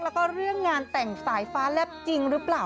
แล้วก็เรื่องงานแต่งสายฟ้าแลบจริงหรือเปล่า